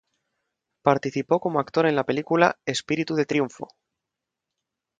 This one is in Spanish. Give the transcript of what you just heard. Participó como actor en la película "Espíritu de Triunfo".